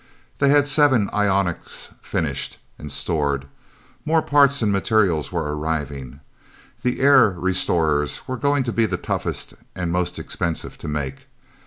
They had seven ionics finished and stored. More parts and materials were arriving. The air restorers were going to be the toughest and most expensive to make.